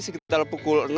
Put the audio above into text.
sekitar pukul enam